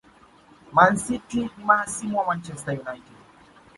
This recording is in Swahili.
Man city ni mahasimu wa Manchester United